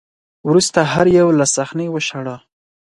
وروسته هر یو له صحنې وشاړه